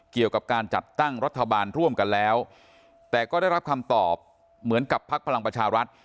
เกี่ยวกับการจัดตั้งรัฐบาลร่วมกันแล้วแต่ก็ได้รับคำตอบเหมือนกับพักพลังประชารัฐ